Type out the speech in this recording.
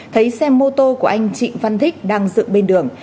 thấy xe mô tô của anh trịnh văn thích đang dựng bên đường